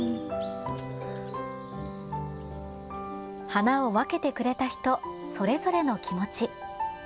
花を分けてくれた人、それぞれの気持ち。